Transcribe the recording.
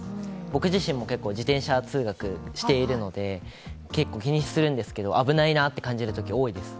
僕自身も自転車通学しているので、結構、気にするんですけど危ないなと感じること、多いです。